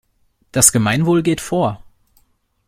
Das Gemeinwohl geht vor.